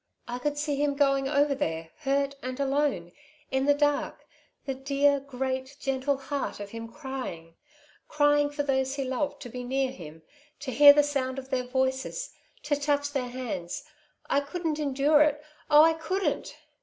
I could see him going over there, hurt and alone, in the dark, the dear, great, gentle heart of him crying ... crying for those he loved to be near him, to hear the sound of their voices, to touch their hands. I couldn't endure it. Oh, I couldn't."